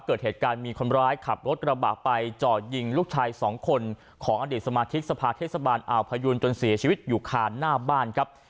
เกิดเหตุการณ์มีคนร้ายขับรถกระบะไปจ่อยิงลูกชายสองคนของอดีตสมาธิกสภาเทศบาลอ่าวพยูนจนเสียชีวิตอยู่คานหน้าบ้านครับ